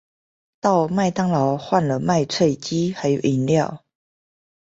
到麥當勞換了麥脆雞還有飲料